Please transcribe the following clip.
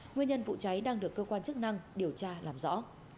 nguyên nhân vụ cháy đang được cơ quan chức năng điều tra làm rõ